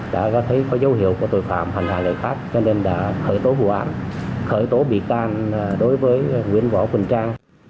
đã có thấy có dấu hiệu của tội phạm hành hạ lợi khác cho nên đã khởi tố vụ án khởi tố bị can đối với nguyễn võ quỳnh trang